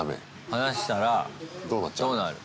離したらどうなる？